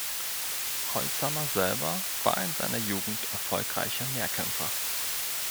Holzamer selbst war in seiner Jugend erfolgreicher Mehrkämpfer.